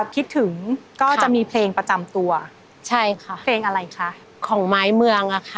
คิดถึงก็จะมีเพลงประจำตัวใช่ค่ะเพลงอะไรคะของไม้เมืองอะค่ะ